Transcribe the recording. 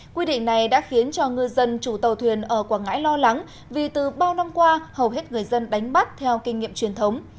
quy định này đã khiến cho ngư dân chủ tàu thuyền ở quảng ngãi lo lắng vì từ bao năm qua hầu hết người dân đánh bắt theo kinh nghiệm truyền thống